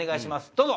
どうぞ。